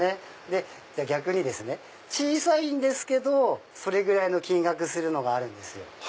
逆に小さいんですけどそれぐらいの金額するのがあるんですよ。